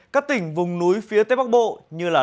các tỉnh vùng núi phía tây bắc bộ như